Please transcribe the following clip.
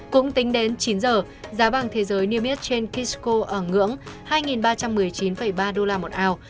cũng tính đến chín giờ giá vàng thế giới niêm yết trên kisco ở ngưỡng hai ba trăm một mươi chín ba đô la một ảo